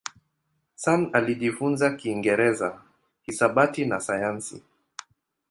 Sun alijifunza Kiingereza, hisabati na sayansi.